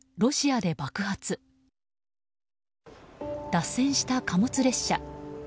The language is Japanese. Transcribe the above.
脱線した貨物列車。